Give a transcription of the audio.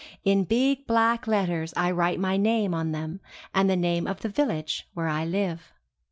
In big black letters I write my name on them and the name of the village where I live.